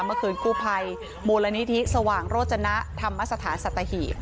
เมื่อคืนกู้ภัยมูลนิธิสว่างโรจนะธรรมสถานสัตหีบ